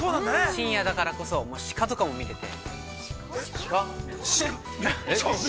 深夜だからこそ、鹿とかも見れて。